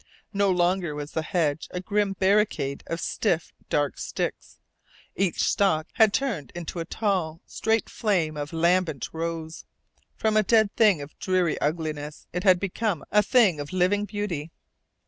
No longer was the hedge a grim barricade of stiff, dark sticks. Each stalk had turned into a tall, straight flame of lambent rose. From a dead thing of dreary ugliness it had become a thing of living beauty.